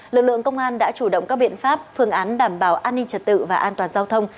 lực lượng công an đã chủ động các biện pháp phương án đảm bảo an ninh trật tự và an toàn giao thông